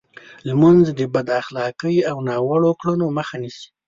لمونځ د بد اخلاقۍ او ناوړو کړنو مخه نیسي.